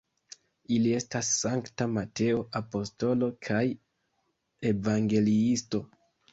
Ili estas Sankta Mateo apostolo kaj evangeliisto.